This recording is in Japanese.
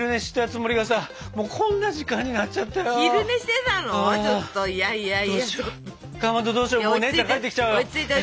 もう姉ちゃん帰ってきちゃうよ。